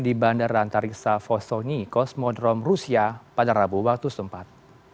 di bandara antariksa fosoni kosmodrom rusia pada rabu waktu setempat